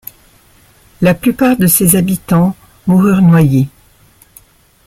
La plupart de ses habitants moururent noyés.